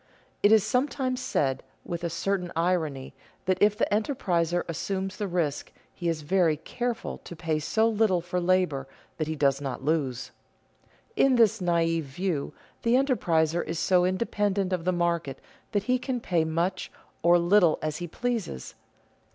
It is sometimes said with a certain irony that if the enterpriser assumes the risk he is very careful to pay so little for labor that he does not lose. In this naive view the enterpriser is so independent of the market that he can pay much or little as he pleases.